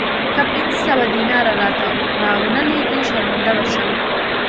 که پنځه سوه دیناره راته را ونه لېږې شرمنده به شم.